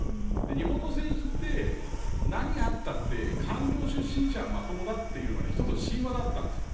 日本の政治って、何があったって官僚出身者は、まともだって一つの神話だったんです。